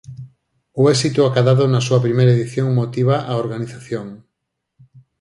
O éxito acadado na súa primeira edición motiva a organización.